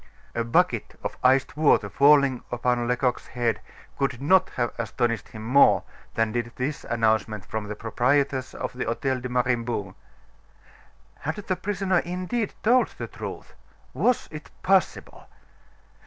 A bucket of iced water falling upon Lecoq's head could not have astonished him more than did this announcement from the proprietress of the Hotel de Mariembourg. Had the prisoner indeed told the truth? Was it possible?